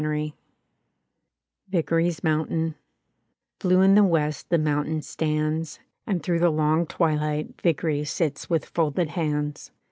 1 101 1 VICKERY'S MOUNTAIN Blue in the west the mountain stands. And through the long twilight Viekeiy sits with folded hands.